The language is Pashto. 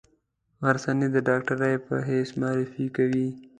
غرڅنۍ د ډاکټرې په حیث معرفي کوي.